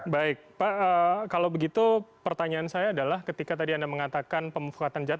baik pak kalau begitu pertanyaan saya adalah ketika tadi anda mengatakan pemufakatan jadwal